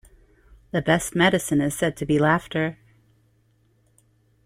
The best medicine is said to be laughter.